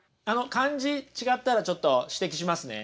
漢字違ったらちょっと指摘しますね。